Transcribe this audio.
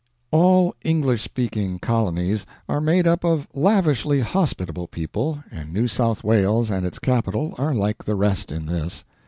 All English speaking colonies are made up of lavishly hospitable people, and New South Wales and its capital are like the rest in this.